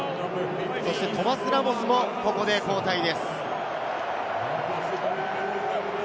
トマ・ラモスもここで交代です。